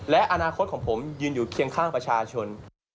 และอนาคตของผมยืนอยู่เคียงข้างประชาชน